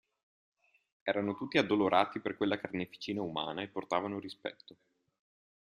Erano tutti addolorati per quella carneficina umana, e portavano rispetto.